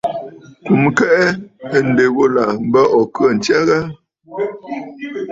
Kùm kɛʼɛ̂ ǹdə̀ ghulà m̀bə ò khə̂ ǹtsya ghâ?